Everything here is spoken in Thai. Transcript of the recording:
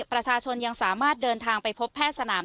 ประชาชนยังสามารถเดินทางไปพบแพทย์สนาม